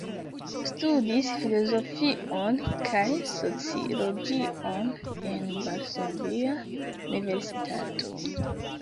Studis filozofion kaj sociologion en Varsovia Universitato.